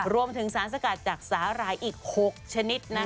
รวมถึงสารสกัดจากสาหร่ายอีก๖ชนิด